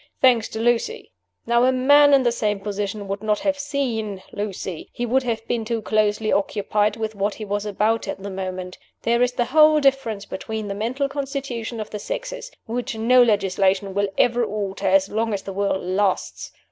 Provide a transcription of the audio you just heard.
Thanks to Lucy. Now a man in the same position would not have seen Lucy he would have been too closely occupied with what he was about at the moment. There is the whole difference between the mental constitution of the sexes, which no legislation will ever alter as long as the world lasts!